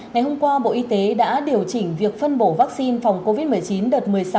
ngày hôm qua bộ y tế đã điều chỉnh việc phân bổ vaccine phòng covid một mươi chín đợt một mươi sáu